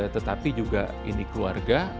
tetapi juga ini keluarga